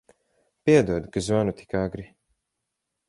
Piedod, ka zvanu tik agri.